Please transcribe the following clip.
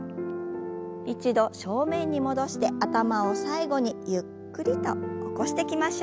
一度正面に戻して頭を最後にゆっくりと起こしてきましょう。